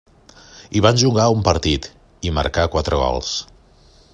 Hi va jugar un partit, i marcà quatre gols.